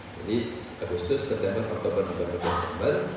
jadi agustus september oktober februari maret desember